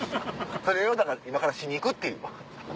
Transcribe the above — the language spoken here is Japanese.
それをだから今からしに行くっていう。